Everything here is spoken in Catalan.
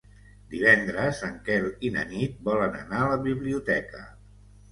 Divendres en Quel i na Nit volen anar a la biblioteca.